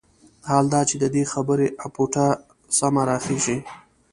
حال دا چې د دې خبرې اپوټه سمه راخېژي.